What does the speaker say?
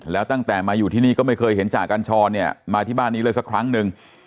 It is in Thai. แล้วตั้งแต่มาอยู่ที่นี่ก็ไม่เคยเห็นจ่ากัญชรเนี่ยมาที่บ้านนี้เลยสักครั้งหนึ่ง